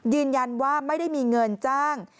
ยืนยันว่าไม่ได้มีเงินจ้าง